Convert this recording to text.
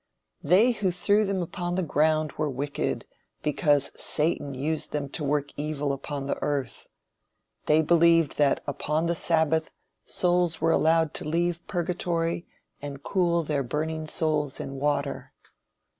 They who threw them upon the ground were wicked, because Satan used them to work evil upon the earth. They believed that upon the Sabbath, souls were allowed to leave purgatory and cool their burning souls in water.